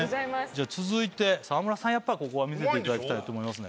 じゃ続いて沢村さんやっぱここは見せていただきたいと思いますね。